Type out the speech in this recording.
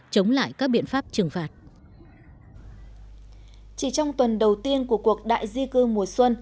chống lại các biện pháp trừng phạt chỉ trong tuần đầu tiên của cuộc đại di cư mùa xuân